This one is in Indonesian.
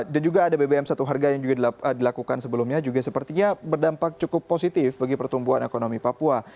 dan juga ada bbm satu harga yang juga dilakukan sebelumnya juga sepertinya berdampak cukup positif bagi pertumbuhan ekonomi papua